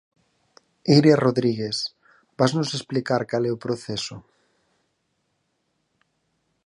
Iria Rodríguez, vasnos explicar cal é o proceso?